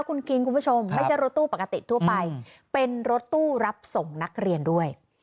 คุณคิงคุณผู้ชมไม่ใช่รถตู้ปกติทั่วไปเป็นรถตู้รับส่งนักเรียนด้วย